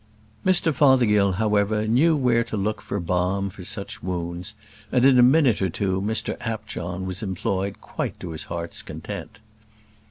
Mr Fothergill, however, knew where to look for balm for such wounds, and in a minute or two, Mr Apjohn was employed quite to his heart's content.